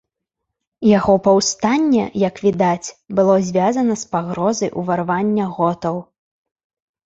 Яго паўстанне, як відаць, было звязана з пагрозай уварвання готаў.